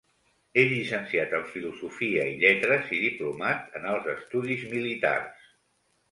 És llicenciat en Filosofia i Lletres i diplomat en Alts Estudis Militars.